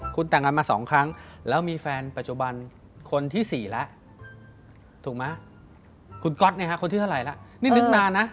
คุณแต่งงานมา๒ครั้งแล้วมีแฟนปัจจุบันคนที่๔แล้วถูกไหมคุณก๊อตเนี่ยฮะคนที่เท่าไหร่แล้วนี่นึกนานนะ